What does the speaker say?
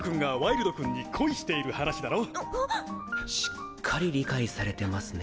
しっかり理解されてますね。